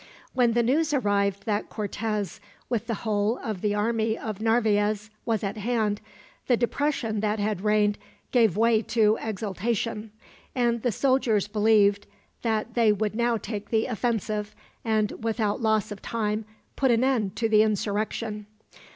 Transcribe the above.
When the news arrived that Cortez, with the whole of the army of Narvaez, was at hand, the depression that had reigned gave way to exultation; and the soldiers believed that they would now take the offensive, and without loss of time put an end to the insurrection.